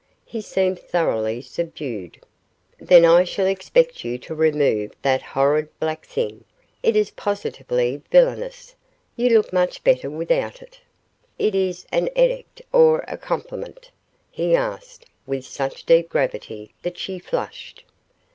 He seemed thoroughly subdued. "Then I shall expect you to remove that horrid black thing. It is positively villainous. You look much better without it." "Is it an edict or a compliment?" he asked with such deep gravity that she flushed.